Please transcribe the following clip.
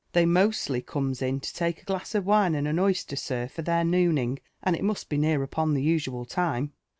'^ Tliey mostly comes in to take a glaaaof wfne and an oy^ter^ air, for their nooning, and it must be near upon the usual Lime."